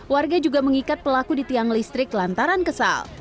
warga juga mengikat pelaku di tiang listrik lantaran kesal